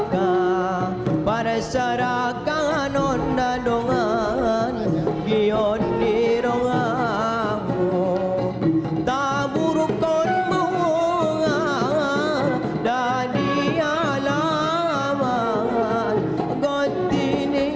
karena k dificil kami mengandalkan